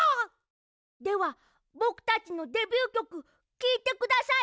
ではぼくたちのデビューきょくきいてください。